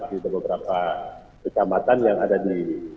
di beberapa kecamatan yang ada di